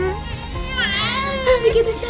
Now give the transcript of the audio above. ya allah dina dina